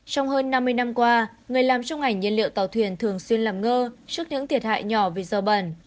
trong hơn năm mươi năm qua người làm trong ảnh nhân liệu tàu thuyền thường xuyên làm ngơ trước những thiệt hại nhỏ vì dầu bẩn